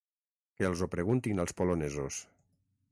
Que els ho preguntin als polonesos.